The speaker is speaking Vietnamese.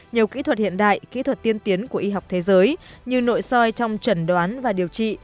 nhiều kỹ thuật hiện đại kỹ thuật tiên tiến của y học thế giới như nội soi trong trần đoán và điều trị